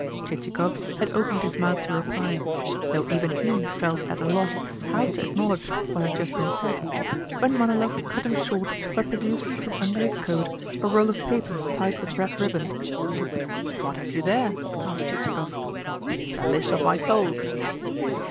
Chichikov had opened his mouth to reply though even HE felt at a loss how to acknowledge what had just been said when Manilov cut him short by producing from under his coat a roll of paper tied with red riband. "What have you there?" asked Chichikov. "The list of my souls."